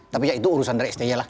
tapi ya itu urusan dari sti lah